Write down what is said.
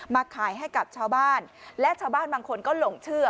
มาขายให้กับชาวบ้านและชาวบ้านบางคนก็หลงเชื่อ